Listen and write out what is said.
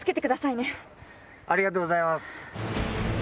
ありがとうございます。